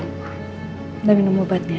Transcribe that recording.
udah minum obatnya